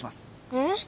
えっ？